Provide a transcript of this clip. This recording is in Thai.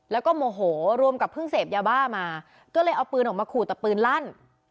แล้วก็โมโหรวมกับเพิ่งเสพยาบ้ามาก็เลยเอาปืนออกมาขู่แต่ปืนลั่น